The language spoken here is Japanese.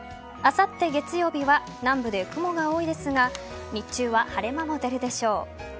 あさって月曜日は南部で雲が多いですが日中は晴れ間も出るでしょう。